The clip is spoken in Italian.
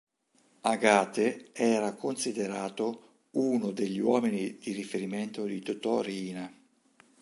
Agate era considerato uno degli uomini di riferimento di Totò Riina.